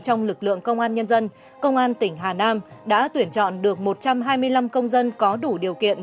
trong lực lượng công an nhân dân công an tỉnh hà nam đã tuyển chọn được một trăm hai mươi năm công dân có đủ điều kiện